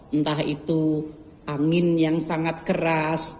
entah itu angin yang sangat keras